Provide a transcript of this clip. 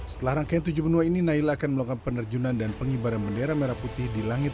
setelah rangkaian tujuh benua ini naila akan melakukan penerjunan dan pengibaran bendera merah putih di langit